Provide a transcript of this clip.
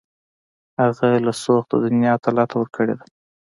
هغه له سوخته دنیا ته لته ورکړې ده